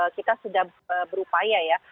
kita sudah berupaya ya